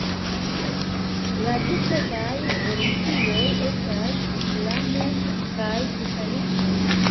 La du ĉefaj religioj estas Islamo kaj Kristanismo.